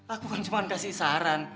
aku kan cuma kasih saran